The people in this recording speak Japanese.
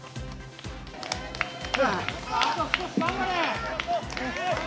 あと少し、頑張れ！